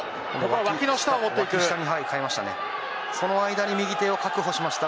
脇の下に変えました。